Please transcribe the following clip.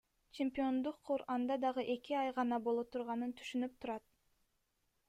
Чемпиондук кур анда дагы эки ай гана боло турганын түшүнүп турат.